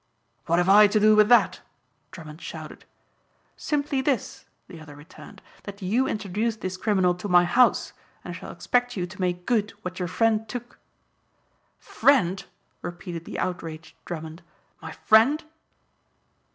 "What have I to do with that?" Drummond shouted. "Simply this," the other returned, "that you introduced this criminal to my house and I shall expect you to make good what your friend took." "Friend!" repeated the outraged Drummond. "My friend!"